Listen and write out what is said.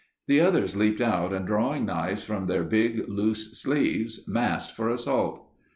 The others leaped out and drawing knives from their big loose sleeves, massed for assault.